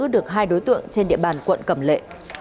được hai đối tượng trên địa bàn quận cẩm lệ